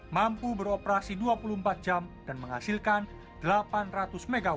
mampu beroperasi dua puluh empat jam dan menghasilkan delapan ratus mw